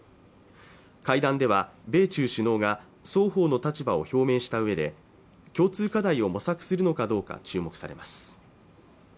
会談では米中首脳が双方の立場を表明したうえで共通課題を模索するのかどうか注目されます